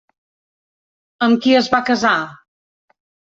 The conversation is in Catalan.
Amb qui es va casar?